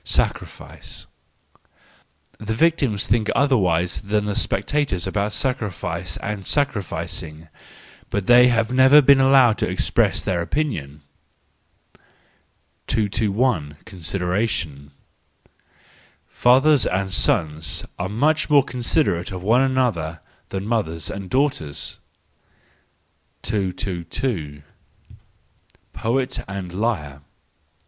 Sacrifice .—The victims think otherwise than the spectators about sacrifice and sacrificing: but they have never been allowed to express their opinion. 200 THE JOYFUL WISDOM, III 221 . Consideration, —Fathers and sons are much more considerate of one another than mothers and daughters. 222 . Poet and Liar